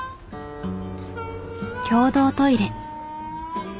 共同トイレ。